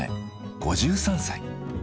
５３歳。